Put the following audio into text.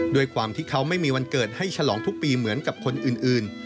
ด้วยความที่เขาไม่มีวันเกิดให้ฉลองทุกปีเหมือนกับคนอื่น